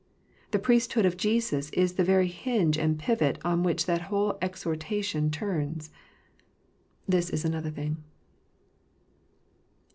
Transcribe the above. The Priesthood of Jesus is the very hinge and pivot on which that whole exhortation turns. This is another thing.